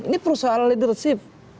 ini persoalannya leadership